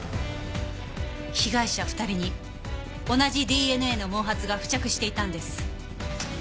被害者２人に同じＤＮＡの毛髪が付着していたんです。